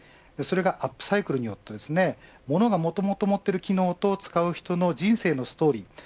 それがアップサイクルによってものがもともと持っている機能と使う人の人生のストーリー